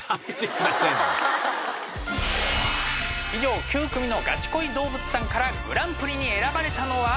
以上９組のガチ恋動物さんからグランプリに選ばれたのは？